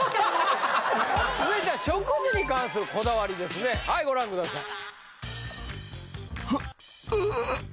続いては食事に関するこだわりですねはいご覧下さい。